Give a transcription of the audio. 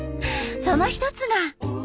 その一つが。